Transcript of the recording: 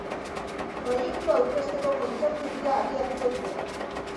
Proiektua aurkezteko kontzertu-bira abiatuko dute.